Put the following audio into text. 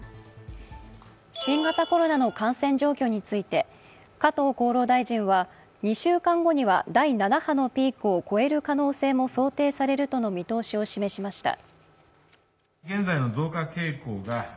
新型コロナの感染状況について加藤厚労大臣は２週間後には第７波のピークを超える可能性も想定されるとの見通しを示しました。